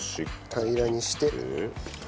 平らにして。